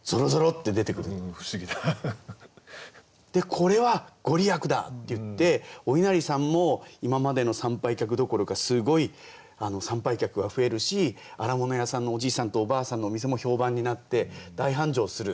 「これは御利益だ！」って言ってお稲荷さんも今までの参拝客どころかすごい参拝客は増えるし荒物屋さんのおじいさんとおばあさんのお店も評判になって大繁盛する。